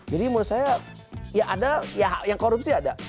jadi menurut saya ya ada ya yang korupsi ada